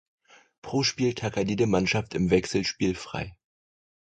Pro Spieltag hat jede Mannschaft im Wechsel spielfrei.